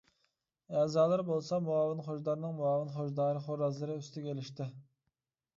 ئەزالىرى بولسا مۇئاۋىن خوجىدارنىڭ مۇئاۋىن خوجىدار خورازلىرى ئۈستىگە ئېلىشتى.